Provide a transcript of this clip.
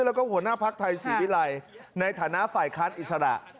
แล้วก็หัวหน้าภักดิ์ไทยศรีวิรัยในฐานะฝ่ายค้านอิสระ